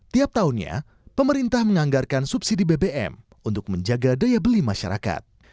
tiap tahunnya pemerintah menganggarkan subsidi bbm untuk menjaga daya beli masyarakat